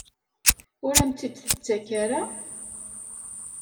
Ur am-tt-id-tettak ara?